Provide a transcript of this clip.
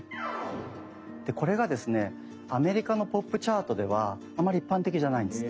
これがですねアメリカのポップチャートではあまり一般的じゃないんです。